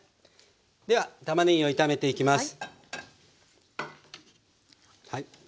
ではたまねぎを炒めていきます。